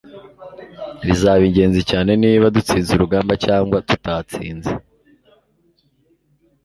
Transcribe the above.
bizaba ingenzi cyane niba dutsinze urugamba cyangwa tutatsinze